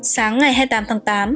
sáng ngày hai mươi tám tháng tám